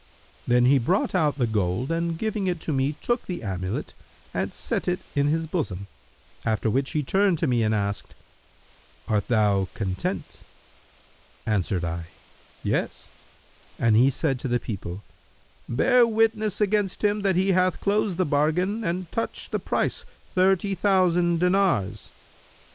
Then he brought out the gold and giving it to me took the amulet, and set it in his bosom; after which he turned to me and asked, 'Art thou content?' Answered I, 'Yes,' and he said to the people, 'Bear witness against him that he hath closed the bargain and touched the price, thirty thousand dinars.'